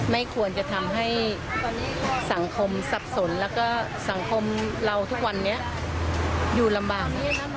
ไม่ควรจะทำให้สังคมสับสนแล้วก็สังคมเราทุกวันนี้อยู่ลำบาก